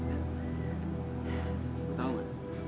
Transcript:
kau tau ga